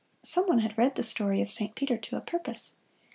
Some one had read the story of Saint Peter to a purpose.